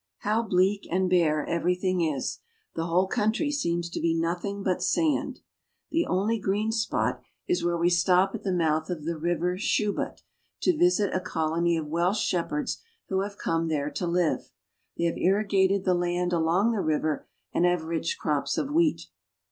How bleak and bare everything is! The whole coun try seems to be nothing but sand. The only green spot PATAGONIA. 169 is where we stop at the mouth of the river Chubut to visit a colony of Welsh shepherds who have come there to live. They have irrigated the land along the river and have rich crops of wheat.